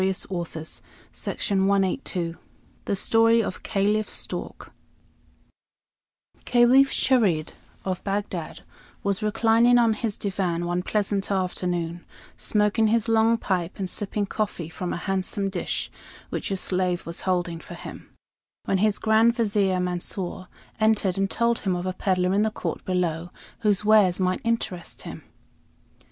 ARABIAN STORIES THE STORY OF CALIPH STORK Caliph Charid, of Bagdad, was reclining on his divan one pleasant afternoon, smoking his long pipe and sipping coffee from a handsome dish which a slave was holding for him, when his Grand Vizier, Mansor, entered and told him of a peddler in the court below whose wares might interest him.